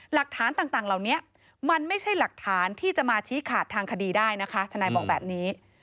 หลักฐานต่างเหล่านี้มันไม่ใช่หลักฐานที่จะมาชี้ขาดทางคดีได้นะคะทนายบอกแบบนี้